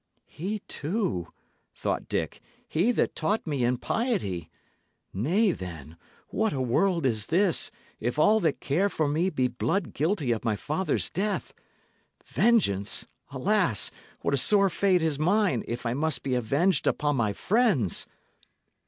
"He, too!" thought Dick "he, that taught me in piety! Nay, then, what a world is this, if all that care for me be blood guilty of my father's death? Vengeance! Alas! what a sore fate is mine, if I must be avenged upon my friends!"